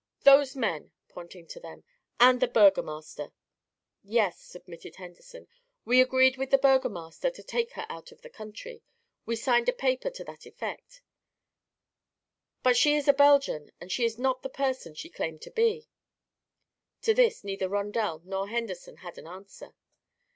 "Those men," pointing to them, "and the burgomaster." "Yes," admitted Henderson, "we agreed with the burgomaster to take her out of the country. We signed a paper to that effect." "But she is a Belgian. And she is not the person she claimed to be." To this neither Rondel nor Henderson had an answer.